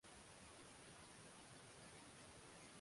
sijui nje ya afrika au ndani sijui